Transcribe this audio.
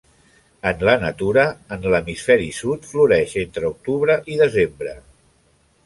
En la natura, en l'hemisferi sud, floreix entre octubre i desembre.